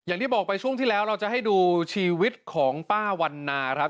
อย่างที่บอกไปช่วงที่แล้วเราจะให้ดูชีวิตของป้าวันนาครับ